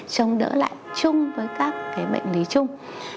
trông đỡ lại chung với các cái bệnh lý chung